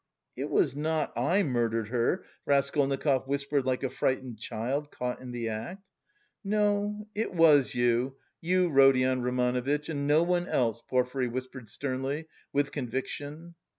"It was not I murdered her," Raskolnikov whispered like a frightened child caught in the act. "No, it was you, you Rodion Romanovitch, and no one else," Porfiry whispered sternly, with conviction.